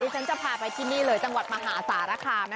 ฉันจะพาไปที่นี่เลยจังหวัดมหาสารคาม